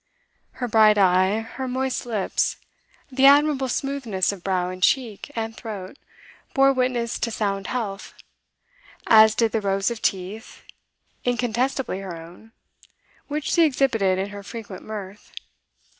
Her bright eye, her moist lips, the admirable smoothness of brow and cheek and throat, bore witness to sound health; as did the rows of teeth, incontestably her own, which she exhibited in her frequent mirth.